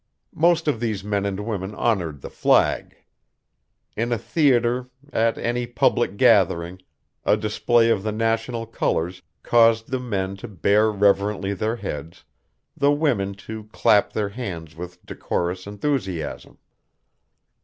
Most of these men and women honored the flag. In a theater, at any public gathering, a display of the national colors caused the men to bare reverently their heads, the women to clap their hands with decorous enthusiasm.